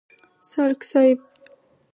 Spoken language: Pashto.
سالک صیب.